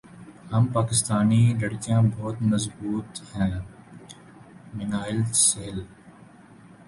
ہم پاکستانی لڑکیاں بہت مضبوط ہیں منہل سہیل